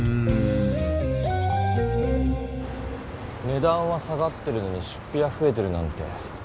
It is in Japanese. ねだんは下がってるのに出ぴはふえてるなんて。